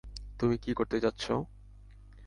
তুমি কি করতে চাচ্ছ?